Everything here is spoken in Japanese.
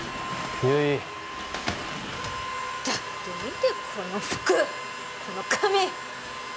悠依だって見てこの服この髪